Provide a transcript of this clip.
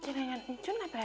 saya sekedar ingin khawatir